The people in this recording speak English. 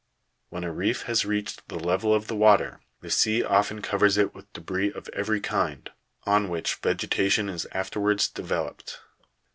41. When a reef has reached the level of the water, the sea often covers it with debris of every kind, on which vegetation is afterwards developed.